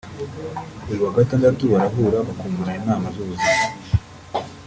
buri wa gatandatu barahura bakungurana inama z’ubuzima